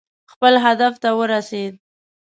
خپل هدف ته ورسېد.